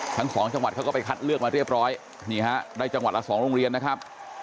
ทั้งสองจังหวัดเขาก็ไปคัดเลือกมาเรียบร้อยนี่ฮะได้จังหวัดละ๒โรงเรียนนะครับ